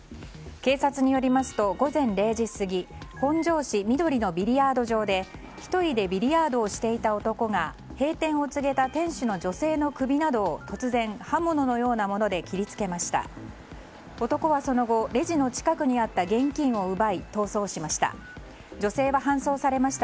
警察によりますと午前０時過ぎ本庄市緑のビリヤード場で１人でビリヤードをしていた男が閉店を告げた店主の女性の首などを突然、刃物のようなもので切りつけました。